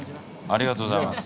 ありがとうございます。